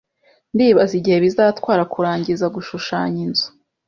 Ndibaza igihe bizatwara kurangiza gushushanya inzu